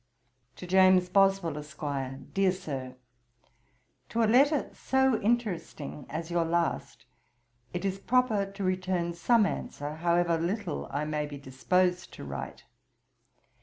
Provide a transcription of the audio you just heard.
'To JAMES BOSWELL, ESQ. 'DEAR SIR, 'To a letter so interesting as your last, it is proper to return some answer, however little I may be disposed to write.